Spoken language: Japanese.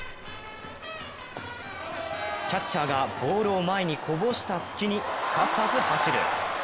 キャッチャーがボールを前にこぼした隙にすかさず走る。